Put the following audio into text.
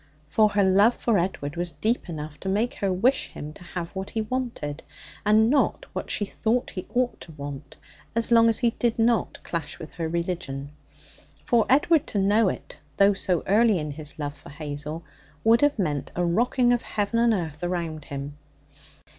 For her love for Edward was deep enough to make her wish him to have what he wanted, and not what she thought he ought to want, as long as he did not clash with her religion. For Edward to know it, though so early in his love for Hazel, would have meant a rocking of heaven and earth around him.